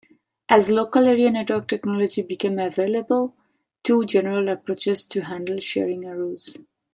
As local area network technology became available, two general approaches to handle sharing arose.